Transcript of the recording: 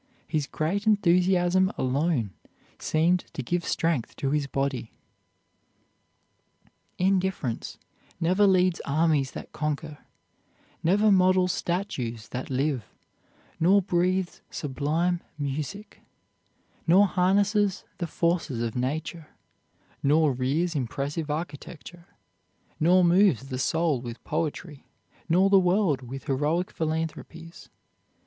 His great enthusiasm alone seemed to give strength to his body. Indifference never leads armies that conquer, never models statues that live, nor breathes sublime music, nor harnesses the forces of nature, nor rears impressive architecture, nor moves the soul with poetry, nor the world with heroic philanthropies.